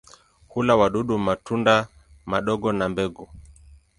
Hula wadudu, matunda madogo na mbegu.